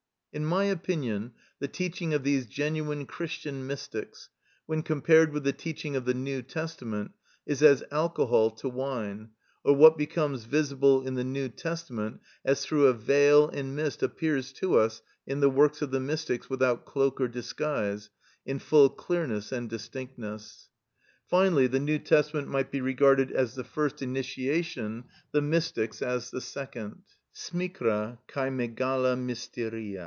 In my opinion the teaching of these genuine Christian mystics, when compared with the teaching of the New Testament, is as alcohol to wine, or what becomes visible in the New Testament as through a veil and mist appears to us in the works of the mystics without cloak or disguise, in full clearness and distinctness. Finally, the New Testament might be regarded as the first initiation, the mystics as the second,—σμικρα και μεγαλα μυστηρια.